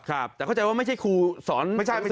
ครับแต่เข้าใจว่าไม่ใช่ครูสอนสื่อที่จีนแหละ